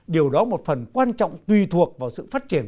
điều đó một phần quan trọng tùy thuộc vào sự phát triển